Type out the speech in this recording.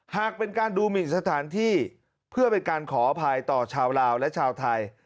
หากเป็นการดูหมินสถานที่เพื่อเป็นการขออภัยต่อชาวลาวและชาวไทย